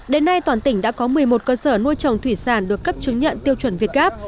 đến nay toàn tỉnh đã có một mươi một cơ sở nuôi trồng thủy sản được cấp chứng nhận tiêu chuẩn việt gáp